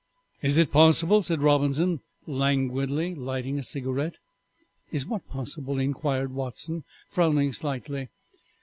"Is it possible?" said Robinson, languidly, lighting a cigarette. "Is what possible?" inquired Watson, frowning slightly.